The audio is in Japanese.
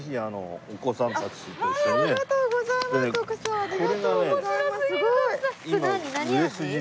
ありがとうございます！